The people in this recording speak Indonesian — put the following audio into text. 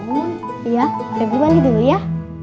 iya peb balik dulu ya